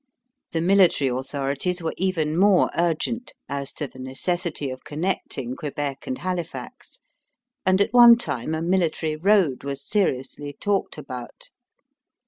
The military authorities were even more urgent as to the necessity of connecting Quebec and Halifax, and at one time a military road was seriously talked about.